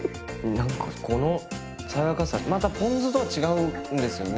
何かこの爽やかさまたポン酢とは違うんですよね。